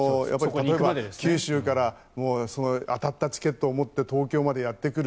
九州から当たったチケットを持って東京までやってくる。